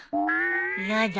やだ。